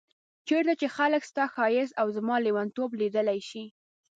چيرته چي خلګ ستا ښايست او زما ليونتوب ليدلی شي